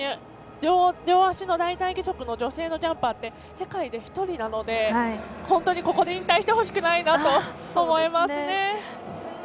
両足の大たい義足の女性のジャンパーって世界で１人なので本当にここで引退してほしくないと思います。